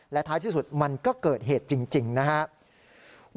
และท้ายที่สุดมันก็เกิดเหตุจริงนะครับ